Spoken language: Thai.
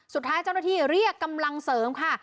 สุดท้ายเจ้าหน้าที่เรียกกำลังเสริมค่ะ